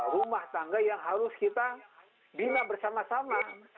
rumah tangga yang harus kita bina bersama sama